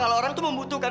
kalau orang itu membutuhkan